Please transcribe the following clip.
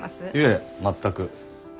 いえ全く。